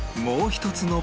もう１つ？